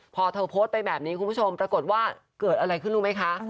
พอเธอโพสต์ไปแบบนี้คุณผู้ชมปรากฏว่าเกิดอะไรขึ้นรู้ไหมคะ